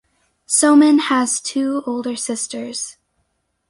Somin has two older sisters.